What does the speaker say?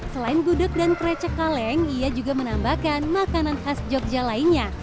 selain gudeg dan krecek kaleng ia juga menambahkan makanan khas jogja lainnya